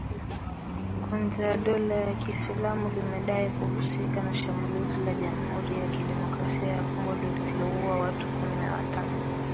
Kundi la dola ya Kiislamu limedai kuhusika na shambulizi la Jamuhuri ya Kidemokrasia ya Kongo lililouwa watu kumi na watano